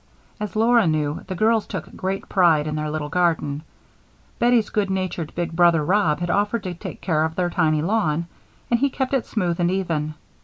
As Laura knew, the girls took great pride in their little garden. Bettie's good natured big brother Rob had offered to take care of their tiny lawn, and he kept it smooth and even.